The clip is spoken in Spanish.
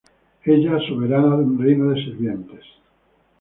Ella soberana de un reino de sirvientes.